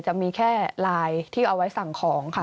จะมีแค่ไลน์ที่เอาไว้สั่งของค่ะ